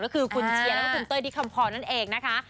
ก็คือคุณเชียร์แล้วก็คุณเต้ยที่คำพรนั่นเองนะคะ